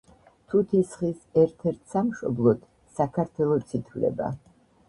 თუთის ხის ერთ-ერთ სამშობლოდ საქართველოც ითვლება.